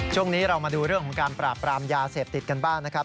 ช่วงนี้เรามาดูเรื่องของการปราบปรามยาเสพติดกันบ้างนะครับ